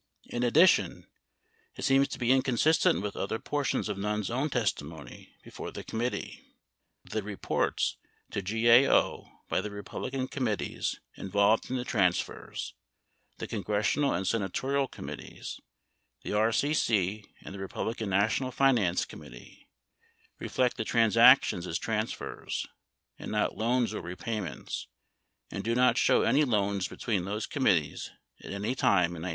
In addition, it seems to be inconsistent with other portions of Nunn's own testimony before the committee. The reports to GAO by the Republican committees involved in the transfers — the congressional and senatorial committees, the RCC and the Republican National Finance Committee — reflect the transac tions as transfers (and not loans or repayments) and do not show any loans between those committees at any time in 1972.